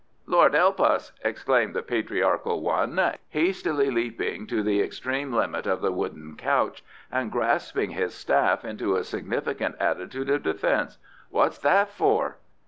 "Lordelpus!" exclaimed the patriarchal one, hastily leaping to the extreme limit of the wooden couch, and grasping his staff into a significant attitude of defence; "what's that for?"